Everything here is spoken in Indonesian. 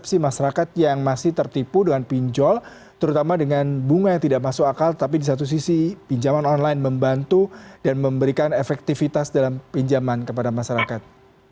apa sih masyarakat yang masih tertipu dengan pinjol terutama dengan bunga yang tidak masuk akal tapi di satu sisi pinjaman online membantu dan memberikan efektivitas dalam pinjaman kepada masyarakat